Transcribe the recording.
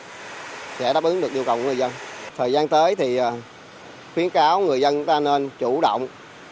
để đáp ứng được nhu cầu của người dân thời gian tới thì khuyến cáo người dân ta nên chủ động